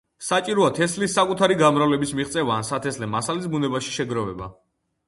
საჭიროა თესლის საკუთარი გამრავლების მიღწევა ან სათესლე მასალის ბუნებაში შეგროვება.